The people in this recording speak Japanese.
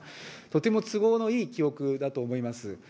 とても都合のいい記憶だと思います。